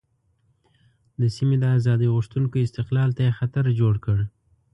د سیمې د آزادۍ غوښتونکو استقلال ته یې خطر جوړ کړ.